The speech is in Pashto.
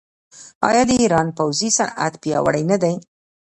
آیا د ایران پوځي صنعت پیاوړی نه دی؟